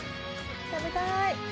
食べたい！